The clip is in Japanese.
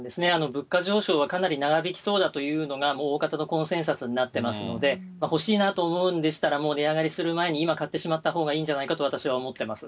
物価上昇はかなり長引きそうだというのが、もう大方のコンセンサスになってますので、欲しいなと思うんでしたら、もう値上がりする前に、今買ってしまったほうがいいんじゃないかと私は思ってます。